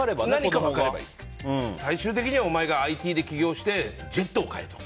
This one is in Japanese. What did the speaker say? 最終的にはお前がＩＴで起業してジェットを買えと。